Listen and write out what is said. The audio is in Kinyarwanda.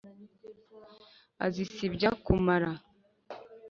azisibya kumara!